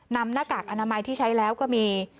หน้ากากอนามัยที่ใช้แล้วก็มี